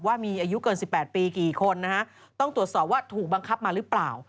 ว่ามีอายุเกิน๑๘ปีกี่คนนะฮะต้องตรวจสอบว่าถูกบังคับมาหรือเปล่า